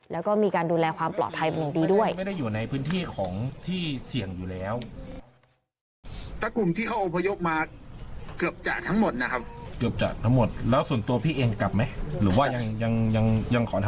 แล้วก็มีการดูแลความปลอดภัยมันดีด้วย